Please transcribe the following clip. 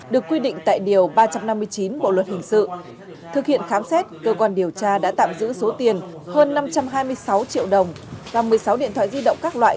được quy định tại điều ba trăm năm mươi chín bộ luật hình sự thực hiện khám xét cơ quan điều tra đã tạm giữ số tiền hơn năm trăm hai mươi sáu triệu đồng và một mươi sáu điện thoại di động các loại